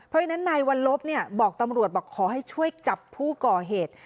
เพราะฉะนั้นนายวัลลบบอกตำรวจบอกขอให้ช่วยจับผู้ก่อเหตุ